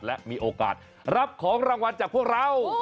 และมีโอกาสรับของรางวัลจากพวกเรา